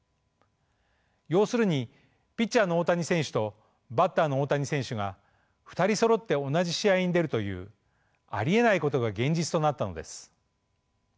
要するにピッチャーの大谷選手とバッターの大谷選手が２人そろって同じ試合に出るというありえないことが現実となったのです。